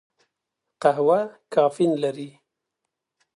قهوه کافین لري